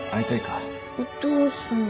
お父さん。